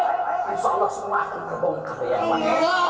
maka kita harus memakai kebohongan